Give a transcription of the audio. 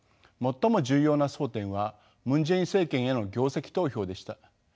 最も重要な争点はムン・ジェイン政権への業績投票でした。